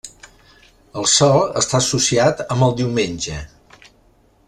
El sol està associat amb el diumenge.